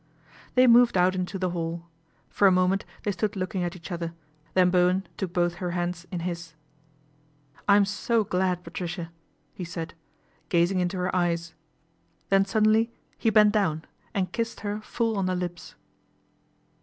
They moved out into the hall. For a moment they stood looking at each other, then Bowen took both her hands in his. " I am so glad, Patricia," he said, gazing into her eyes, then suddenly he bent down and kissed her full on the lips.